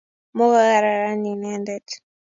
mokararan inrndet